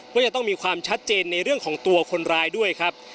ว่าจะต้องมีความชัดเจนในเรื่องของตัวคนร้ายด้วยครับ